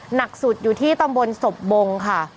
หนักสุดอยู่ที่ตำบลศพบงค่ะ